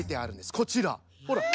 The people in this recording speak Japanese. こちらほら。